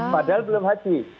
padahal belum haji